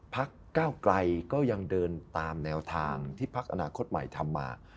พักก้าวไกลก็ยังเดินตามแนวทางที่พักอนาคตใหม่ทำมา